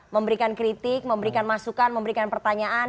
memberikan kritik memberikan masukan memberikan pertanyaan